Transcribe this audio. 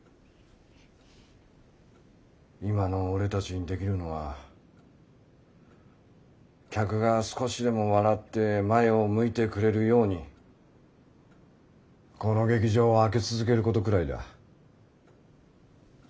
今の俺たちにできるのは客が少しでも笑って前を向いてくれるようにこの劇場を開け続けることくらいだ。